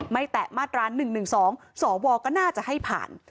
แตะมาตรา๑๑๒สวก็น่าจะให้ผ่าน